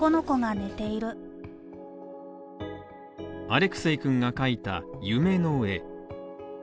アレクセイくんが描いた夢の絵。